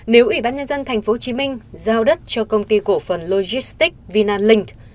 nếu ủy ban nhân dân tp hcm giao đất cho công ty cổ phần logistics vinaling